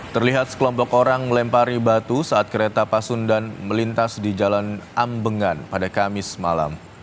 terlihat sekelompok orang melempari batu saat kereta pasundan melintas di jalan ambengan pada kamis malam